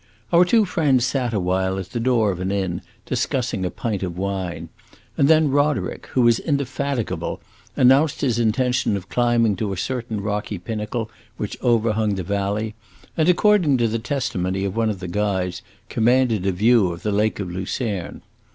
Our two friends sat a while at the door of an inn, discussing a pint of wine, and then Roderick, who was indefatigable, announced his intention of climbing to a certain rocky pinnacle which overhung the valley, and, according to the testimony of one of the guides, commanded a view of the Lake of Lucerne.